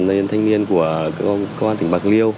như là đoàn viên thanh niên của công an tỉnh bạc liêu